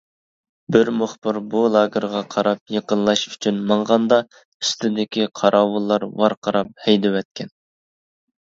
بىر مۇخبىر بۇ لاگېرغا قاراپ يېقىنلاش ئۈچۈن ماڭغاندا ئۈستىدىكى قاراۋۇللار ۋارقىراپ ھەيدىۋەتكەن.